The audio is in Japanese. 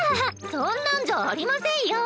そんなんじゃありませんよ。